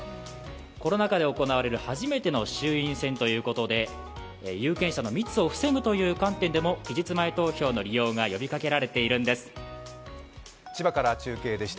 コロナ禍で行われる初めての衆院選ということで有権者の密を防ぐという観点でも期日前投票の利用が呼びかけられているんです。